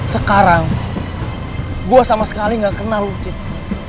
sekarang gue sama sekali gak kenal lo cita